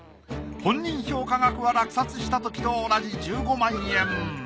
本人評価額は落札したときと同じ１５万円。